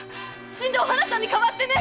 死んだお花さんに代わってね！